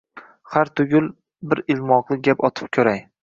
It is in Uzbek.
Hartugul, bir ilmoqli gap otib ko‘ray.